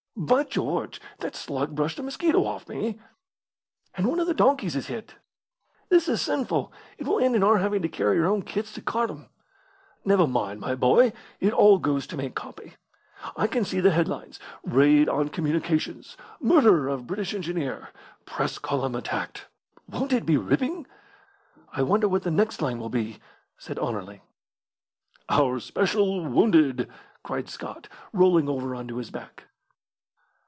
By George, that slug brushed a mosquito off me!" "And one of the donkeys is hit." "This is sinful. It will end in our having to carry our own kits to Khartoum." "Never mind, my boy, it all goes to make copy. I can see the headlines 'Raid on Communications'; 'Murder of British Engineer': 'Press Column Attacked.' Won't it be ripping?" "I wonder what the next line will be," said Anerley. "'Our Special Wounded'!" cried Scott, rolling over on to his back.